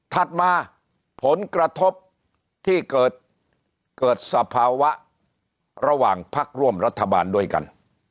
ถัดมาผลกระทบที่เกิดสภาวะระหว่างพักร่วมรัฐบาลด้วยกัน